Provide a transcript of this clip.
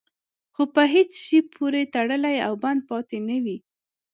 خو په هېڅ شي پورې تړلی او بند پاتې نه وي.